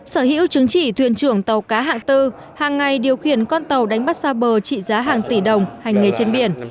sở hữu chứng chỉ thuyền trưởng tàu cá hạng bốn hàng ngày điều khiển con tàu đánh bắt xa bờ trị giá hàng tỷ đồng hành nghề trên biển